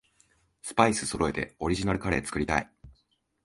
スパイスそろえてオリジナルカレー作りたい